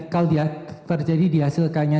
kalau terjadi dihasilkannya